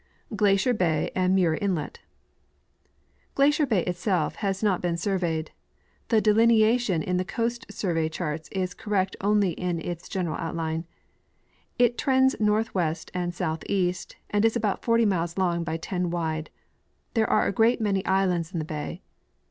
Glacier Bay and Muir Inlet. Glacier bay itself has not lieen survej'ed ; the delineation in the coast survey charts is correct only in its general outline. It trends northwest and southeast, and is about forty miles long by ten wide. There are a great many islands in the bay.